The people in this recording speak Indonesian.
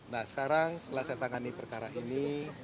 nah sekarang setelah saya tangani perkara ini